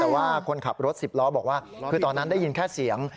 แต่ว่าคนขับรถสิบล้อบอกว่าคือตอนนั้นได้ยินแค่เสียง